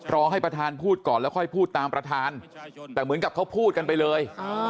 รอให้ประธานพูดก่อนแล้วค่อยพูดตามประธานแต่เหมือนกับเขาพูดกันไปเลย